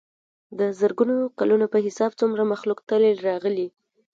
دَ زرګونو کلونو پۀ حساب څومره مخلوق تلي راغلي